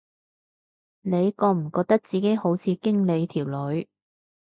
你覺唔覺得自己好似經理條女